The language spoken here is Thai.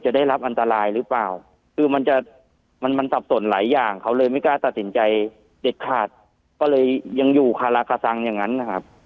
ได้รับอันตรายหรือเปล่าคือมันจะมันสับสนหลายอย่างเขาเลยไม่กล้าตัดสินใจเด็ดขาดก็เลยยังอยู่คาราคาซังอย่างนั้นนะครับ